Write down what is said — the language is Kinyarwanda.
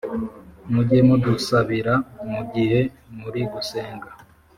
Mujye mudusabira mu gihe muri gusenga